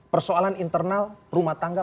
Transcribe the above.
persoalan internal rumah tangga